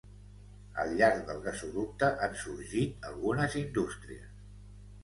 Al llarg del gasoducte han sorgit algunes indústries.